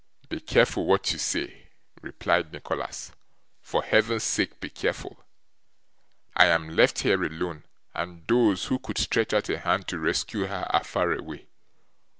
'Be careful what you say,' replied Nicholas. 'For Heaven's sake be careful! I am left here alone, and those who could stretch out a hand to rescue her are far away.